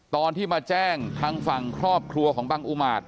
ตอนที่มาแจ้งทางฝั่งครอบครัวของบังอุมาต